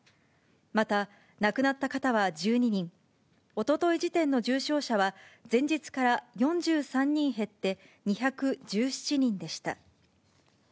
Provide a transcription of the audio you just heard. また亡くなった方は１２人、おととい時点の重症者は、前日から４３人減って、２１７人でした。